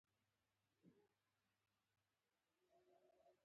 په فېسبوک کې خلک د خپلو کلتورونو په اړه لیکنې کوي